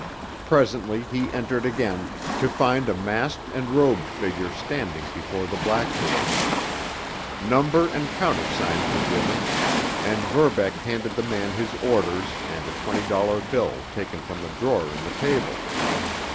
Presently he entered again, to find a masked and robed figure standing before the blackboard. Number and countersign were given, and Verbeck handed the man his orders and a twenty dollar bill taken from the drawer in the table.